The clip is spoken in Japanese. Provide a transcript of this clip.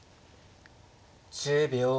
１０秒。